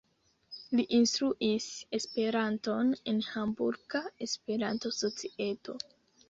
Li instruis Esperanton en Hamburga Esperanto-Societo.